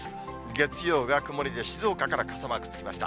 月曜が曇りで、静岡から傘マークつきました。